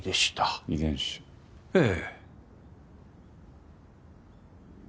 ええ。